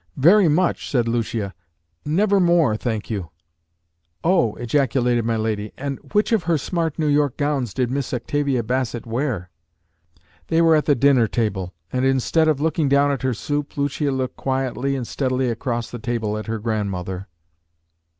"Very much," said Lucia; "never more, thank you." "Oh!" ejaculated my lady. "And which of her smart New York gowns did Miss Octavia Bassett wear?" They were at the dinner table; and, instead of looking down at her soup, Lucia looked quietly and steadily across the table at her grandmother.